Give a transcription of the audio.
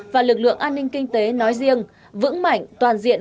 và lực lượng an ninh kinh tế nói riêng vững mạnh toàn diện